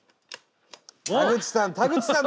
田口さん！